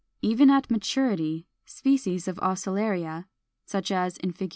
Even at maturity, species of Oscillaria (such as in Fig.